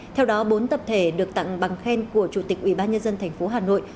theo đó bốn tập thể được tặng bằng khen của chủ tịch ubnd thành phố hà nội